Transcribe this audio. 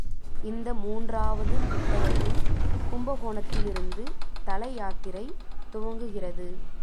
இந்த மூன்றாவது புத்தகத்தில் கும்பகோணத்திலிருந்து தல யாத்திரை துவங்குகிறது.